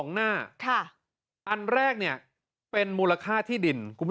๒หน้าอันแรกเป็นมูลค่าที่ดิน